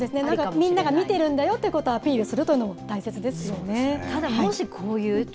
みんなが見てるんだよということをアピールするというのも大切ですよね。